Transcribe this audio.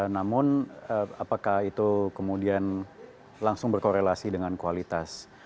namun apakah itu kemudian langsung berkorelasi dengan kualitas